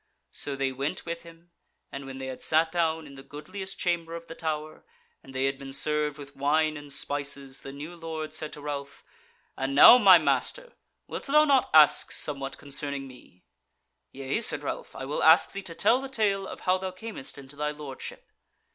So they went with him, and when they had sat down in the goodliest chamber of the Tower, and they had been served with wine and spices, the new Lord said to Ralph: "And now, my master, wilt thou not ask somewhat concerning me?" "Yea," said Ralph, "I will ask thee to tell the tale of how thou camest into thy Lordship."